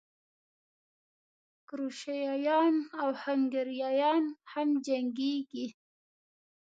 کروشیایان او هنګریایان هم جنګېږي.